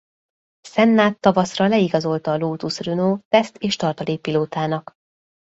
Sennát tavaszra leigazolta a Lotus Renault teszt és tartalék pilótának.